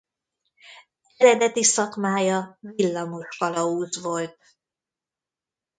Eredeti szakmája villamos kalauz volt.